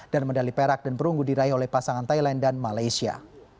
dan medali perak dan perunggu diraih oleh pasangan thailand dan malaysia